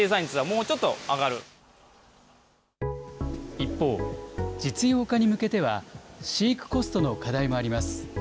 一方、実用化に向けては、飼育コストの課題もあります。